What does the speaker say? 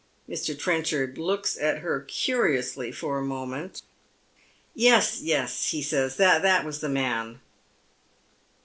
Mr. Trenchard looks at her curiously for a moment. " Yes, yes," he says, " that was the man."